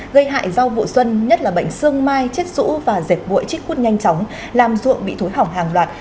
gây hại rau vụ xuân nhất là bệnh sương mai chết rũ và dệt vội chích quất nhanh chóng làm ruộng bị thối hỏng hàng loạt